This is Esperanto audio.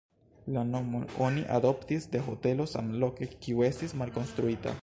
La nomon oni adoptis de hotelo samloke, kiu estis malkonstruita.